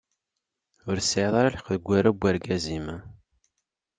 Ur tesɛiḍ ara lḥeq deg warraw n urgaz-im.